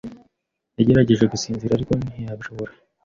yagerageje gusinzira, ariko ntiyabishobora.